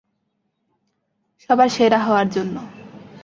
সবার সেরা হওয়ার জন্য।